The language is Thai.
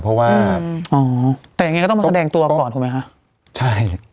เพราะว่าแต่ยังงงอยากต้องมาแสดงตัวต่อถูกไหมค่ะ